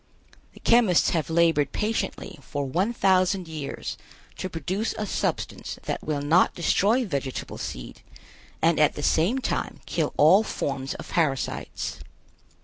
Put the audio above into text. The chemists have labored patiently for one thousand years to produce a substance that will not destroy vegetable seed and at the same time kill all forms of parasites.